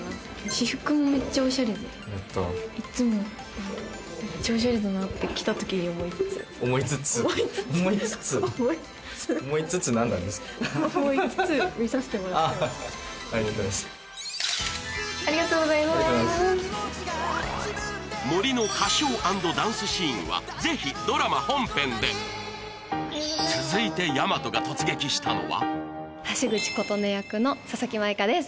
私服もめっちゃおしゃれでいっつも思いつつ思いつつ思いつつ思いつつああありがとうございますありがとうございますありがとうございます森の歌唱＆ダンスシーンはぜひドラマ本編で続いて大和が突撃したのは橋口琴音役の佐々木舞香です